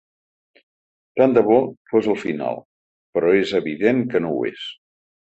Tant de bo fos el final, però és evident que no ho és